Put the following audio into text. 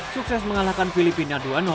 sukses mengalahkan filipina dua